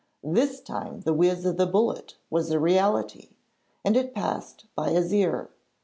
This time the whiz of the bullet was a reality, and it passed by his ear.